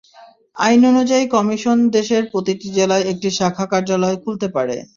আইন অনুযায়ী কমিশন দেশের প্রতিটি জেলায় একটি শাখা কার্যালয় খুলতে পারে।